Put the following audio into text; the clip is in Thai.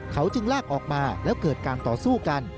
เขาจึงลากออกมาแล้วเกิดการต่อสู้กัน